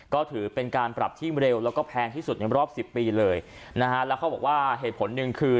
ก็ถือเป็นการปรับที่เร็วแล้วก็แพงที่สุดในรอบสิบปีเลยนะฮะแล้วเขาบอกว่าเหตุผลหนึ่งคือ